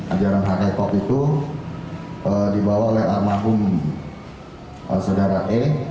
ajaran h e k o k itu dibawa oleh al mahum sedara e